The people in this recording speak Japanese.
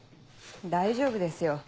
大丈夫ですよ。